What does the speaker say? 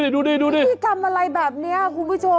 ดูดิที่ทำอะไรแบบนี้คุณผู้ชม